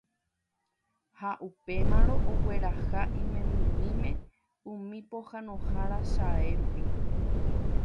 ha upémarõ ogueraha imembymime umi pohãnohára chae rupi.